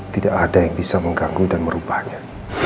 tidak ada yang bisa mengganggu dan merubahnya